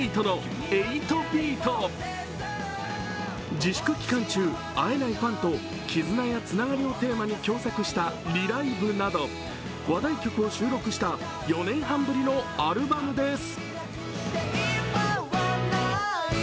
自粛期間中、会えないファンと絆やつながりをテーマに共作した「Ｒｅ：ＬＩＶＥ」など話題曲を収録した４年半ぶりのアルバムです。